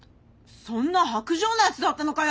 そんな薄情なやつだったのかよ！？